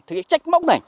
thật chứ trách móc này